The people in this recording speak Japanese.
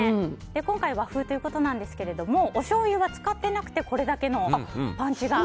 今回は和風ということなんですがおしょうゆは使っていなくてこれだけのパンチが。